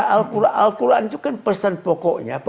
al quran itu kan pesan pokoknya